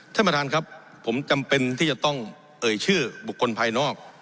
ท่านประธานครับผมจำเป็นที่จะต้องเอ่ยชื่อบุคคลภายนอก